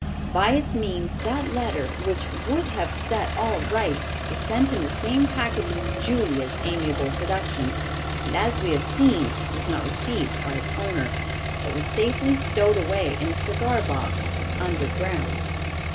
By its means, that letter which would have set all right, was sent in the same package with Julia's amiable production, and, as we have seen, was not received by its owner, but was safely stowed away in a cigar box under ground.